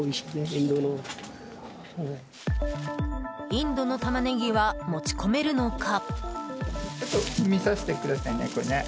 インドのタマネギは持ち込めるのか？